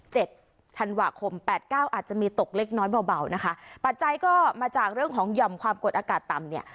ธันวาคมแปดเก้าอาจจะมีตกเล็กน้อยเบาเบานะคะปัจจัยก็มาจากเรื่องของหย่อมความกดอากาศต่ำเนี่ย